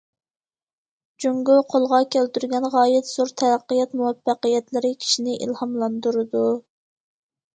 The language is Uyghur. جۇڭگو قولغا كەلتۈرگەن غايەت زور تەرەققىيات مۇۋەپپەقىيەتلىرى كىشىنى ئىلھاملاندۇرىدۇ.